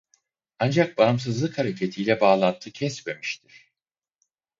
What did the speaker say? Ancak bağımsızlık hareketiyle bağlantı kesmemiştir.